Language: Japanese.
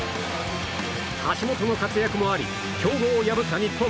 橋本の活躍もあり強豪を破った日本。